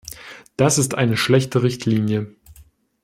Das ist eine schlechte Richtlinie.